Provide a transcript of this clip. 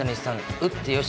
打ってよし！